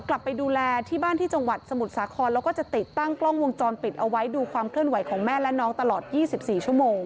กลับไปดูแลที่บ้านที่จังหวัดสมุทรสาครแล้วก็จะติดตั้งกล้องวงจรปิดเอาไว้ดูความเคลื่อนไหวของแม่และน้องตลอด๒๔ชั่วโมง